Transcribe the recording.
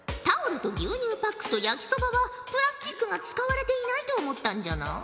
タオルと牛乳パックと焼きそばはプラスチックが使われていないと思ったんじゃな。